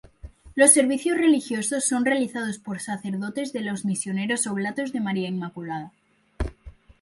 Los servicios religiosos son realizados por sacerdotes de los Misioneros Oblatos de María Inmaculada.